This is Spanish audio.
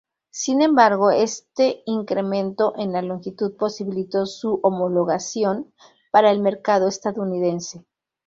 Sin embargo este incremento en la longitud posibilitó su homologación para el mercado estadounidense.